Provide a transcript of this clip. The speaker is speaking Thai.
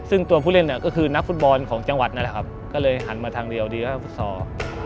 ซึ่งตัวผู้เล่นเนี่ยก็คือนักฟุตบอลของจังหวัดนั่นแหละครับก็เลยหันมาทางเดียวดีแล้วก็ฟุตซอล